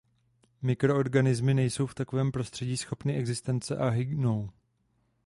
Mikroorganismy nejsou v takovém prostředí schopny existence a hynou.